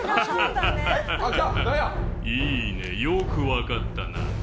いいね、よく分かったな。